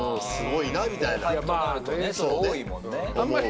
後輩となるとね多いもんね。